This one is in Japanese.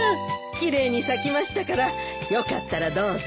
奇麗に咲きましたからよかったらどうぞ。